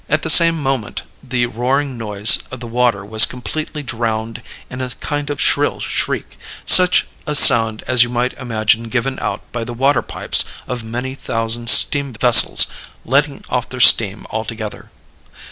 At the same moment the roaring noise of the water was completely drowned in a kind of shrill shriek; such a sound as you might imagine given out by the water pipes of many thousand steam vessels, letting off their steam all together.